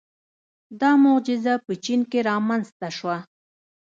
• دا معجزه په چین کې رامنځته شوه.